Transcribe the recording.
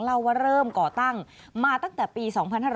เล่าว่าเริ่มก่อตั้งมาตั้งแต่ปี๒๕๕๙